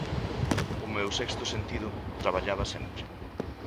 O meu sexto sentido traballaba sempre.